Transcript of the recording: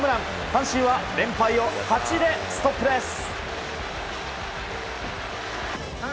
阪神は連敗を８でストップです。